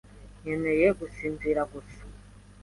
Nkeneye gusinzira gusa.